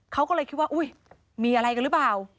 เขาก็เลยคิดว่าอุ๊ยมีอะไรกันหรือเปล่า